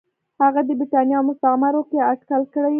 هغه د برېټانیا او مستعمرو کې اټکل کړی و.